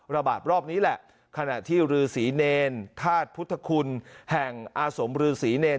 รอบนี้แหละขณะที่รือศรีเนรธาตุพุทธคุณแห่งอาสมรือศรีเนร